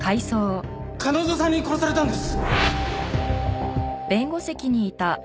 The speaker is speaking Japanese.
彼女さんに殺されたんです！